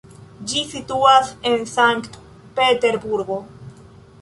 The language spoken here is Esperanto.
Ĝi situas en Sankt-Peterburgo.